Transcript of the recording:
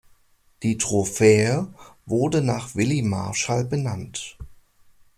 Die Trophäe wurde nach Willie Marshall benannt.